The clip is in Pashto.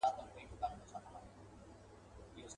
چي مي پېغلوټي د کابل ستایلې.